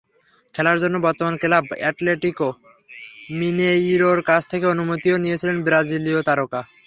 খেলার জন্য বর্তমান ক্লাব অ্যাটলেটিকো মিনেইরোর কাছ থেকে অনুমতিও নিয়েছিলেন ব্রাজিলীয় তারকা।